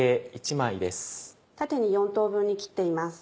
縦に４等分に切っています。